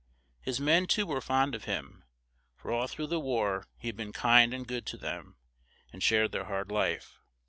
His men too were fond of him, for all through the war he had been kind and good to them, and shared their hard life.